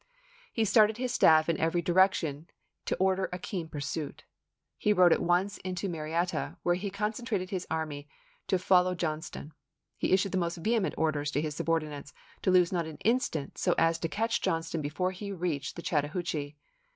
He started his staff in every direc tion to order a keen pursuit. He rode at once into Marietta, where he concentrated his army to follow Johnston. He issued the most vehement orders to his subordinates to lose not an instant so as to catch Johnston before he reached the Chattahoo chee.